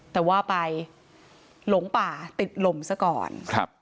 แต่ว่าไปหลงป่าติดลมซะก่อนครับ